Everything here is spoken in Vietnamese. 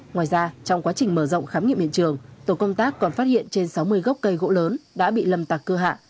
ngoài ra trong quá trình mở rộng khám nghiệm hiện trường tổ công tác còn phát hiện trên sáu mươi gốc cây gỗ lớn đã bị lâm tạc cưa hạ